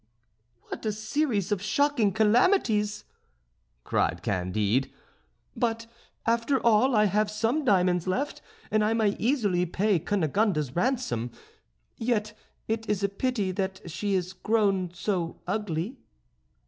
"What a series of shocking calamities!" cried Candide. "But after all, I have some diamonds left; and I may easily pay Cunegonde's ransom. Yet it is a pity that she is grown so ugly."